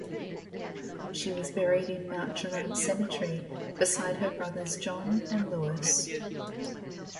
She was buried in Mount Jerome Cemetery beside her brothers John and Louis.